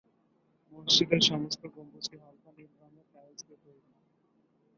মসজিদের সমস্ত গম্বুজটি হালকা নীল রঙের টাইলস দিয়ে তৈরি।